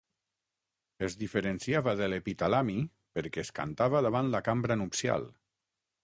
Es diferenciava de l'epitalami perquè es cantava davant la cambra nupcial.